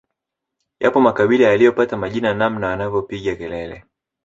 Yapo makabila yaliyopata majina namna wanavyopiga makelele